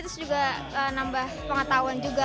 terus juga nambah pengetahuan juga